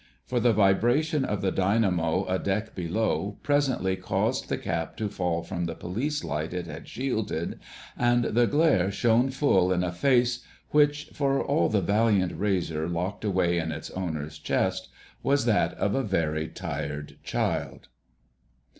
For the vibration of the dynamo a deck below presently caused the cap to fall from the police light it had shielded, and the glare shone full in a face which (for all the valiant razor locked away in its owner's chest) was that of a very tired child.